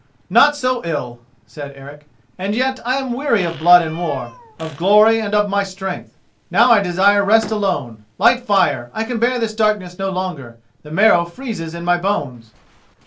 "Not so ill!" said Eric; "and yet I am weary of blood and war, of glory and of my strength. Now I desire rest alone. Light fire—I can bear this darkness no longer; the marrow freezes in my bones."